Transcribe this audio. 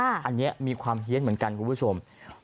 อันนี้มีความเฮียนเหมือนกันคุณผู้ชม